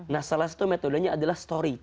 nah salah satu metodenya adalah story